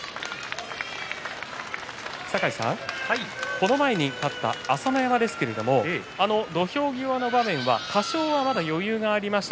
この前に勝った朝乃山ですけれど土俵際の場面は多少は、まだ余裕はありました。